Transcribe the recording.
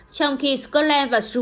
trong khi scotland và scotland